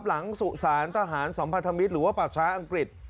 สุสานทหารสัมพันธมิตรหรือว่าป่าช้าอังกฤษ